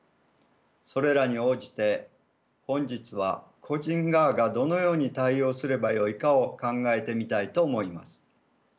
それらに応じて本日は個人側がどのように対応すればよいかを考えてみたいと思います。